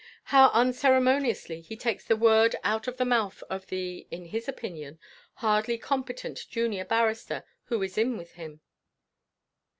How unceremoniously he takes the word out of the mouth of the, in his opinion, hardly competent junior barrister who is with him.